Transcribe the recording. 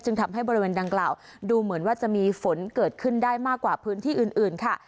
ทำให้บริเวณดังกล่าวดูเหมือนว่าจะมีฝนเกิดขึ้นได้มากกว่าพื้นที่อื่นค่ะ